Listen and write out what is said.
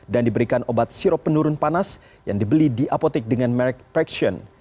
dan diberikan obat sirop penurun panas yang dibeli di apotek dengan merek paxion